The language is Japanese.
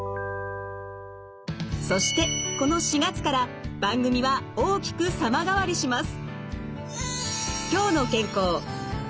そしてこの４月から番組は大きく様変わりします。